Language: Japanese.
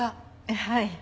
はい。